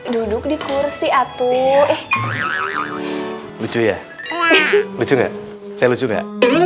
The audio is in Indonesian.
duduk di kursi atuh lucu ya